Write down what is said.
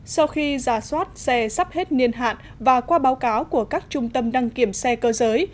sau khi giả soát xe sắp hết niên hạn và qua báo cáo của các trung tâm đăng kiểm xe cơ giới